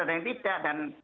ada yang tidak